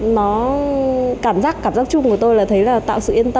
nó cảm giác cảm giác chung của tôi là thấy là tạo sự yên tâm